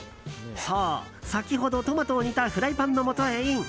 そう、先ほどトマトを煮たフライパンのもとへ、イン。